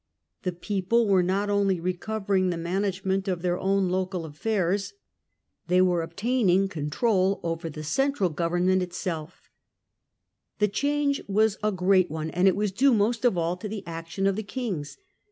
The people were not only recovering the management of their own local KING AND BARONS. I05 affairs — they were obtaining control over the central government itself. The change was a great one, and it was due most of all to the action of the kings.